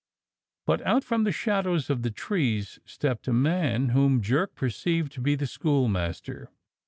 But out from the shadows of the trees stepped a man, whom Jerk perceived to be the school master.